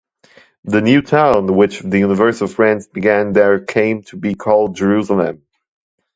The new town which the Universal Friends began there came to be called Jerusalem.